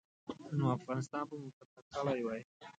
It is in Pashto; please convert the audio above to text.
نو افغانستان به مو فتح کړی وای.